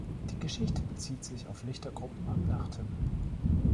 Die Geschichte bezieht sich auf Lichtergruppen am Nachthimmel.